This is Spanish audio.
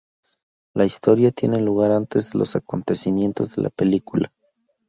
La historia tiene lugar antes de los acontecimientos de la película.